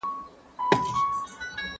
پښتون د نورو قومونو په څېر سوله خوښوي.